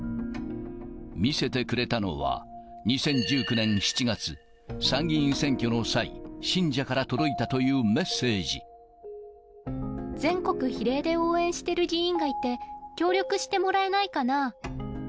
見せてくれたのは、２０１９年７月、参議院選挙の際、全国比例で応援してる議員がいて、協力してもらえないかな？